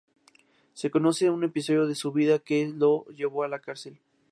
Se conoce un episodio de su vida que lo llevó a la cárcel.